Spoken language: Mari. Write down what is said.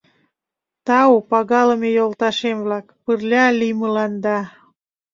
— Тау, пагалыме йолташем-влак, пырля лиймыланда.